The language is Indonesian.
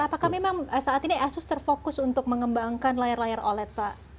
apakah memang saat ini asus terfokus untuk mengembangkan layar layar oled pak